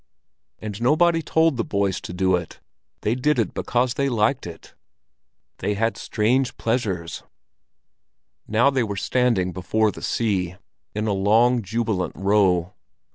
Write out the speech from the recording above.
And nobody told the boys to do it; they did it because they liked it! They had strange pleasures! Now they were standing "before the sea" —in a long, jubilant row.